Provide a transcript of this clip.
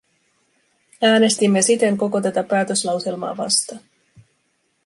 Äänestimme siten koko tätä päätöslauselmaa vastaan.